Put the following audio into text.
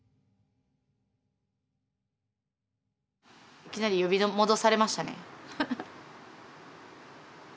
いきなり呼び戻されましたね。